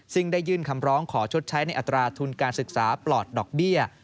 ซึ่งได้ยื่นคำร้องขอชดใช้ในอัตราทุนการศึกษาปลอดดอกเบี้ย